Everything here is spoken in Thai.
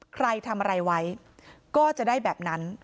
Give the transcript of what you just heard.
ใครทำอะไรไว้ก็จะได้แบบนั้น